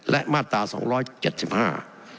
และมาตราสองร้อยเจ็ดสิบห้า